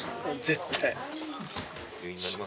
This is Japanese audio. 絶対。